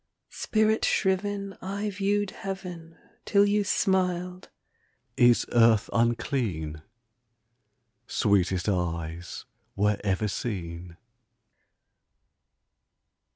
Spirit shriven I viewed Heaven, Till you smiled "Is earth unclean, Sweetest eyes were ever seen?"